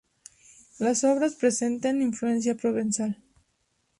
Las obras presenten influencia provenzal.